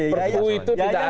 perpu itu tidak ada